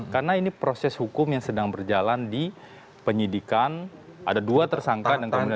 karena ini proses hukum yang sedang berjalan di penyidikan ada dua tersangka dan kemudian di persidangan